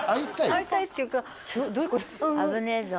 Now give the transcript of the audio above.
会いたいっていうかどういうこと？